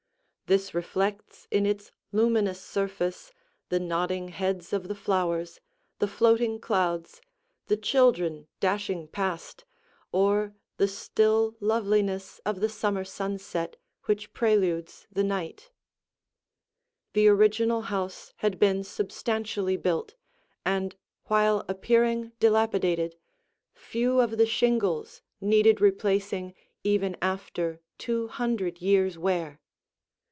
This reflects in its luminous surface the nodding heads of the flowers, the floating clouds, the children dashing past, or the still loveliness of the summer sunset which preludes the night. [Illustration: A Rear View] The original house had been substantially built, and while appearing dilapidated, few of the shingles needed replacing even after two hundred years' wear.